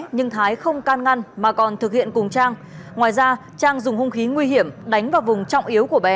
nhưng thái không can ngăn mà còn thực hiện cùng trang ngoài ra trang dùng hung khí nguy hiểm đánh vào vùng trọng yếu của bé